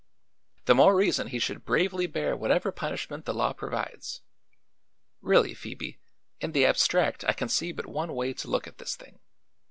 "The more reason he should bravely bear whatever punishment the law provides. Really, Phoebe, in the abstract I can see but one way to look at this thing.